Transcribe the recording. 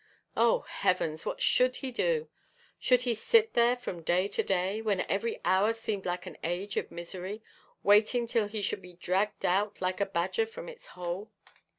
Oh heavens! what should he do? Should he sit there from day to day, when every hour seemed like an age of misery, waiting till he should be dragged out like a badger from its hole.